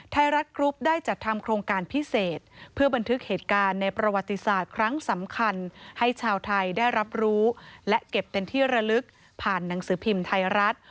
ไทยรัฐกรุ๊ปได้จัดทำโครงการพิเศษเพื่อบันทึกเหตุการณ์ในประวัติศาสตร์ครั้งสำคัญให้ชาวไทยได้รับรู้และเก็บเป็นที่ระลึกผ่านหนังสือพิมพ์ไทยรัฐ